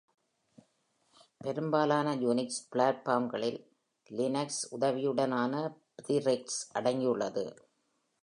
பெரும்பாலான யூனிக்ஸ் பிளாட்பார்ம்களில் லினக்ஸ் உதவியுடனான பிதிரெட்ஸ் அடங்கியுள்ளது.